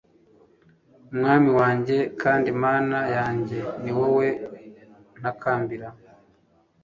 Mwami wanjye kandi Mana yanjye ni wowe ntakambira